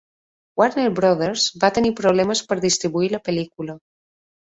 Warner Brothers va tenir problemes per distribuir la pel·lícula.